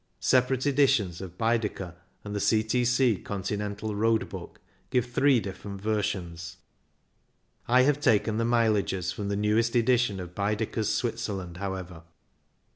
Separate editions of Baedeker and the C.T.C. Continental Road Book give three different versions. I have taken the mileages from the newest edition of Baede ker's Switzerland, however.